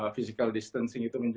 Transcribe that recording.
physical distancing itu menjelaskan